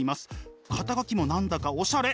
肩書も何だかおしゃれ！